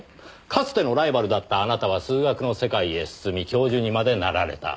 かつてのライバルだったあなたは数学の世界へ進み教授にまでなられた。